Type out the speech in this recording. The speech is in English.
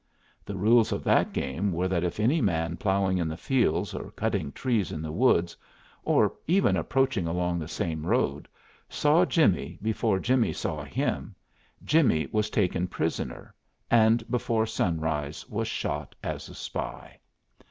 The rules of that game were that if any man ploughing in the fields, or cutting trees in the woods, or even approaching along the same road, saw Jimmie before Jimmie saw him, Jimmie was taken prisoner, and before sunrise was shot as a spy.